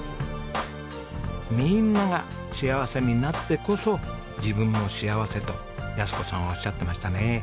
みんなが幸せになってこそ自分も幸せと安子さんはおっしゃってましたね。